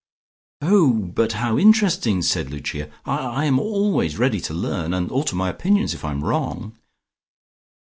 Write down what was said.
"Oh, but how interesting," said Lucia. "I I am always ready to learn, and alter my opinions if I am wrong."